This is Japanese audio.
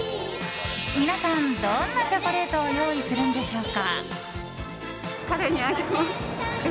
皆さん、どんなチョコレートを用意するんでしょうか。